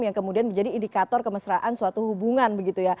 yang kemudian menjadi indikator kemesraan suatu hubungan